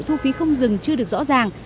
thu phí không dừng chưa được rõ ràng